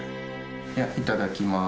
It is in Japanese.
いただきます。